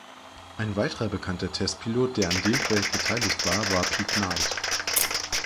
Ein weiterer bekannter Testpilot, der an dem Projekt beteiligt war, war Pete Knight.